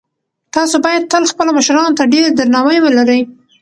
تاسو باید تل خپلو مشرانو ته ډېر درناوی ولرئ.